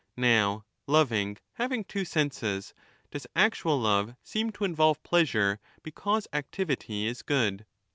Now, loving having two senses,^ does actual love seem to involve pleasure because activity is good